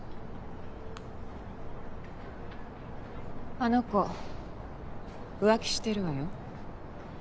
あの子浮気してるわよ。